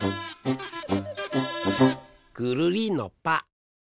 ぐるりんのぱ！